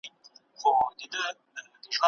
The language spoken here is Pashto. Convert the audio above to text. دوره چي وروسته هماغه ازمویل سوې او بریالۍ